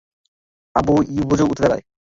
আবু যুরাইযও উঠে দাঁড়ায়।